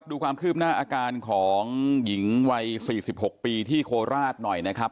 ดูความคืบหน้าอาการของหญิงวัย๔๖ปีที่โคราชหน่อยนะครับ